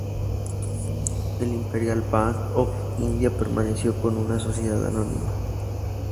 El Imperial Bank of India permaneció como una sociedad anónima.